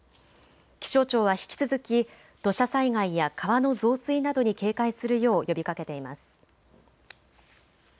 気象庁は引き続き土砂災害や川の増水などに警戒するよう呼びかけています。